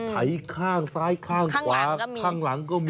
ไขข้างซ้ายข้างขวาข้างหลังก็มี